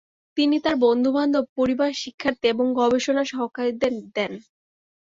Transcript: তিনি তাঁর বন্ধু-বান্ধব, পরিবার, শিক্ষার্থী এবং গবেষণা সহকারীদের দেন।